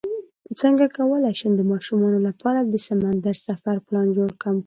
څنګه کولی شم د ماشومانو لپاره د سمندر سفر پلان کړم